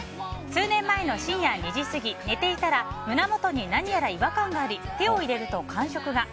数年前の深夜２時過ぎ寝ていたら胸元に何やら違和感があり手を入れると感触が。